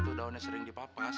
itu daunnya sering dipapas